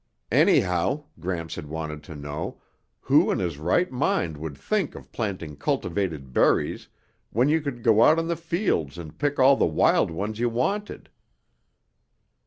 Anyhow, Gramps had wanted to know, who in his right mind would think of planting cultivated berries when you could go out in the fields and pick all the wild ones you wanted?